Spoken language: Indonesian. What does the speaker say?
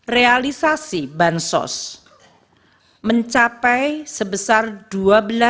realisasi bansos mencapai sebesar rp dua belas delapan triliun